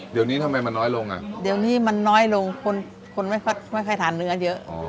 เดี๋ยวนี้ทำไมมันน้อยลงอ่ะเดี๋ยวนี้มันน้อยลงคนไม่ค่อยทานเนื้อเยอะ